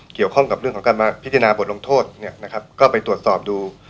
เกี่ยวข้องกับเรื่องของการพิจารณาบทลงโทษก็ไปตรวจสอบดู